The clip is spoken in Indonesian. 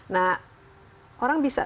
nah orang bisa